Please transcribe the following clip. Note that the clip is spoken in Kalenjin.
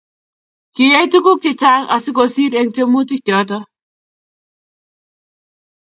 kiyay tuguuk chechang asigosiir eng tyemutichoto